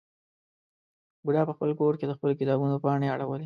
بوډا په خپل کور کې د خپلو کتابونو پاڼې اړولې.